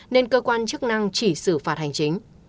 nên cơ quan chức năng chỉ xử phạt hành chính